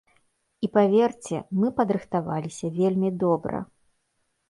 І, паверце, мы падрыхтаваліся вельмі добра.